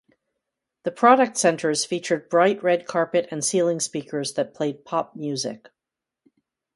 The Product Centers featured bright red carpet and ceiling speakers that played pop music.